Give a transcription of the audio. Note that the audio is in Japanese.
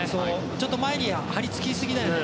ちょっと前に張り付きすぎだよね